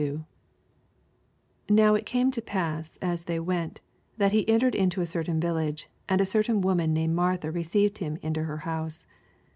88 Now it came to pass, as they went, that he entered into a certain village : and a certain woman named Martha received him into her house.